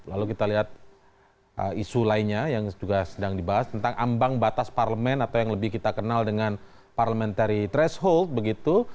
lalu kita lihat isu lainnya yang juga sedang dibahas tentang ambang batas parlemen atau yang lebih kita kenal dengan parliamentary threshold begitu